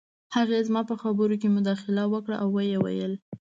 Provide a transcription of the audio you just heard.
هغې زما په خبرو کې مداخله وکړه او وویې ویل